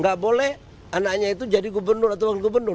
gak boleh anaknya itu jadi gubernur atau wakil gubernur